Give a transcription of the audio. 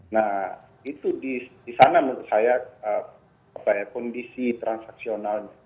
nah itu di sana menurut saya apa ya kondisi transaksionalnya